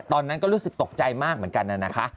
ตอนนั้นก็รู้สึกตกใจมากเหมือนกันนะคะ